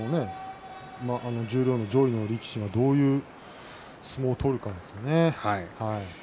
十両の上位の力士がどんな相撲を取るかですね。